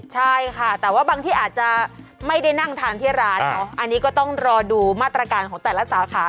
ใช่ค่ะแต่ว่าบางที่อาจจะไม่ได้นั่งทานที่ร้านเนอะอันนี้ก็ต้องรอดูมาตรการของแต่ละสาขา